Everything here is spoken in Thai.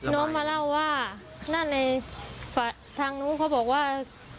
น้องมาเล่าว่านั่นในทางนู้นเขาบอกว่า